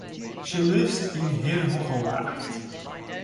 She lives in Heerhugowaard.